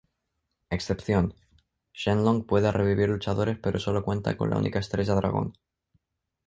Excepción: Shen Long puede revivir luchadores pero solo cuenta con la única estrella dragón.